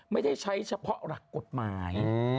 ไม่ได้ใช้เฉพาะหลักกฎหมาย